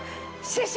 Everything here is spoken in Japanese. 師匠！